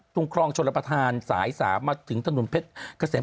ทุ่งคลองชนประธานสายสามมาถึงถนนเพชรเกษม